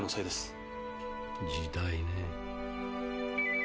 時代ねぇ。